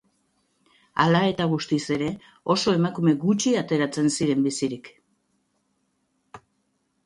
Ala eta guztiz ere, oso emakume gutxi ateratzen ziren bizirik.